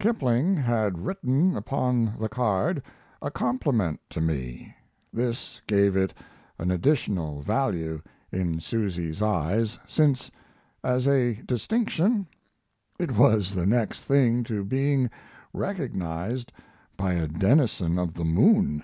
Kipling had written upon the card a compliment to me. This gave it an additional value in Susy's eyes, since, as a distinction, it was the next thing to being recognized by a denizen of the moon.